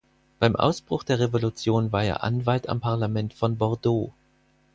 Beim Ausbruch der Revolution war er Anwalt am Parlament von Bordeaux.